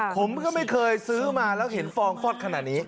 ผมก็ไม่เคยซื้อมาแล้วเห็นฟองฟอดขนาดนี้